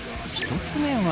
１つ目は。